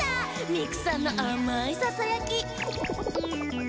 ミクさんのあまいささやき！